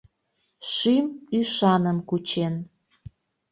Шӱм ӱшаным кучен